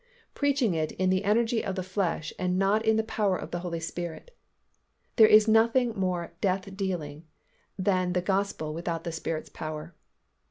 Preaching it in the energy of the flesh and not in the power of the Holy Spirit. There is nothing more death dealing than the Gospel without the Spirit's power.